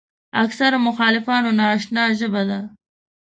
اکثرو مخالفانو ناآشنا ژبه ده.